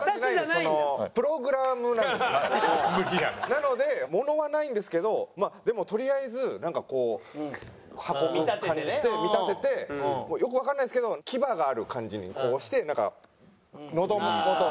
なので物はないんですけどまあでもとりあえずなんかこう運ぶ感じにして見立ててよくわかんないですけど牙がある感じにしてなんかのど元に。